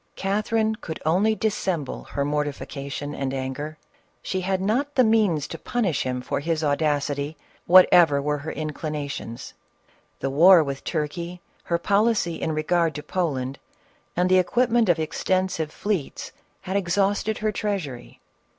Catherine could only dissemble her mortification and anger ; she had not the means to punish him for his audacity, whatever were her inclinations. The war with Turkey, her policy in regard to Poland, and the equipment of extensive fleets, had exhausted her treasury.